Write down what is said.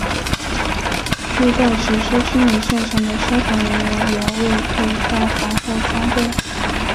据报起初清理现场的消防人员也未佩戴防护装备。